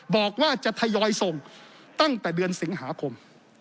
บอกว่าจะทยอยส่งตั้งแต่เดือนสิงหาคม